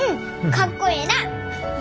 かっこええなぁ！